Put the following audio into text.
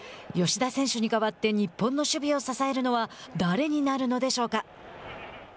吉田選手に代わって日本の守備を支えるのは誰になるのでしょうか。